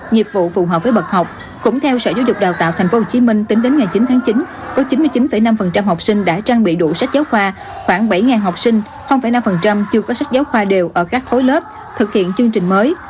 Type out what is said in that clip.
nghiệp vụ phù hợp với bậc học cũng theo sở giáo dục đào tạo tp hcm tính đến ngày chín tháng chín có chín mươi chín năm học sinh đã trang bị đủ sách giáo khoa khoảng bảy học sinh năm chưa có sách giáo khoa đều ở các khối lớp thực hiện chương trình mới